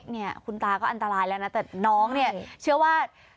เนี่ยคุณตาก็อันตรายแล้วนะแต่น้องเนี่ยเชื่อว่า